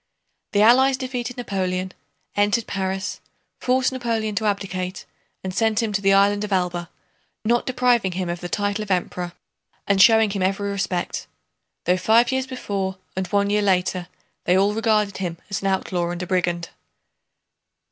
The Allies defeated Napoleon, entered Paris, forced Napoleon to abdicate, and sent him to the island of Elba, not depriving him of the title of Emperor and showing him every respect, though five years before and one year later they all regarded him as an outlaw and a brigand.